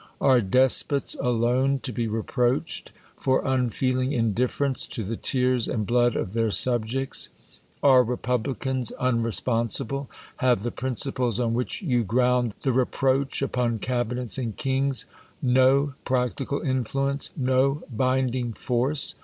Are despots alone to be reproached for unfeeling indiirerence to the tears and blood of their subjects ? Are republi cans unresponsible ? Have the principles on which you ground the reproach upon cabinets and kings no prac tical influence, no binding force